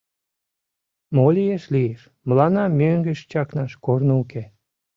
Мо лиеш — лиеш, мыланна мӧҥгеш чакнаш корно уке.